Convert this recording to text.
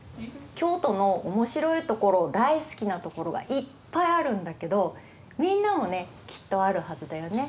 京都の面白いところ大好きなところがいっぱいあるんだけどみんなもねきっとあるはずだよね。